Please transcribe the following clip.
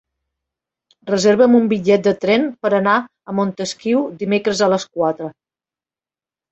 Reserva'm un bitllet de tren per anar a Montesquiu dimecres a les quatre.